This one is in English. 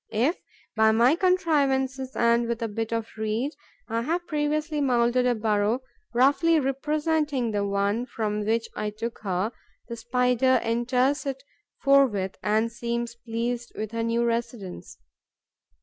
If, by my contrivances and with a bit of reed, I have previously moulded a burrow roughly representing the one from which I took her, the Spider enters it forthwith and seems pleased with her new residence.